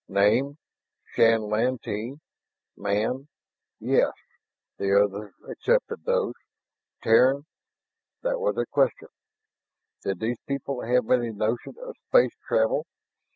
"Name Shann Lantee, man yes." The other accepted those, "Terran?" That was a question. Did these people have any notion of space travel?